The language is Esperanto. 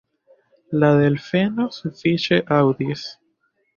La delfeno sufiĉe aŭdis.